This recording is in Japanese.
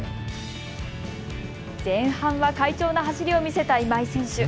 前半は快調な走りを見せた今井選手。